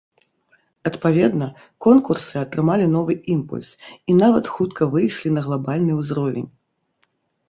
Адпаведна, конкурсы атрымалі новы імпульс, і нават хутка выйшлі на глабальны ўзровень.